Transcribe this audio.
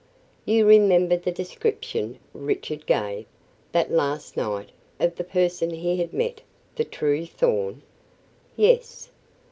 "You remember the description Richard gave, that last night, of the person he had met the true Thorn?" "Yes."